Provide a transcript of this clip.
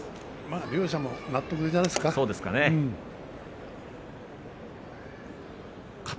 両者も納得じゃないですか。